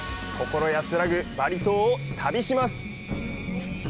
心安らぐバリ島を旅します！